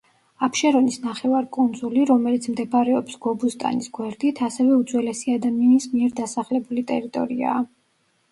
აფშერონის ნახევარკუნძული, რომელიც მდებარეობს გობუსტანის გვერდით, ასევე უძველესი ადამიანის მიერ დასახლებული ტერიტორიაა.